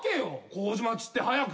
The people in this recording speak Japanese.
麹町って早く。